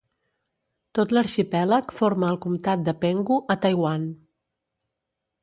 Tot l'arxipèlag forma el Comtat de Penghu, a Taiwan.